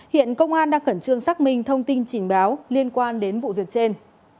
hiện công an đang khẩn trương xác minh thông tin trình báo liên quan đến vụ việc trên